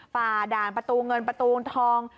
ฝ่าด่านประตูเงินประตูทอง